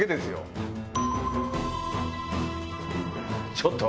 ちょっと！